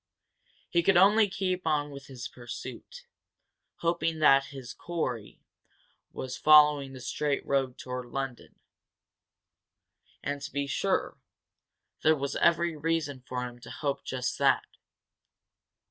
He could only keep on with the pursuit, hoping that his quarry was following the straight road toward London. And, to be sure, there was every reason for him to hope just that.